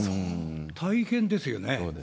大変ですよね。